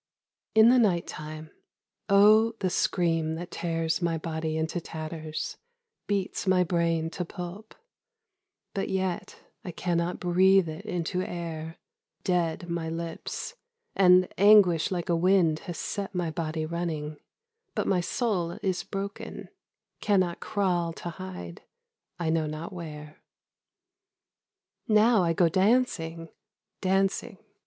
In the night time, O the scream that tears my body into tatters, Beats my brain to pulp :— but yet I cannot breathe it into air : Dead my lips. — And anguish like a wind has set my body running, But my soul is broken, — cannot crawl to hide ... I know not where. 78 A Histrion. Now I go dancing — dancing.